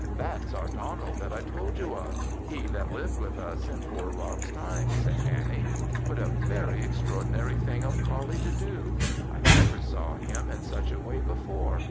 "That's our Donald, that I told you of he that lived with us in poor Rob's time," said Annie. "What a very extraordinary thing of Coullie to do! I never saw him in such a way before.